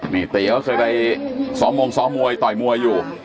นี่ติ๊กเคยไปสองโมงสองมวยต่อยมวยอยู่